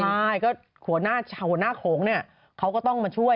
ใช่ก็หัวหน้าโขงเนี่ยเขาก็ต้องมาช่วย